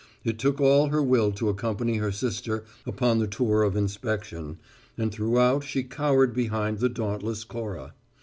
It took all her will to accompany her sister upon the tour of inspection, and throughout she cowered behind the dauntless Cora.